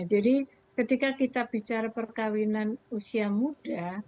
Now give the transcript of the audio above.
jadi ketika kita bicara perkawinan usia muda